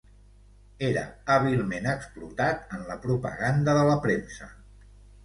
...era hàbilment explotat en la propaganda de la premsa